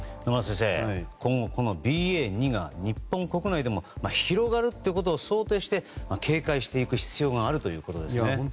野村先生、今後このＢＡ．２が日本国内でも広がるということを想定して警戒していく必要があるということですよね。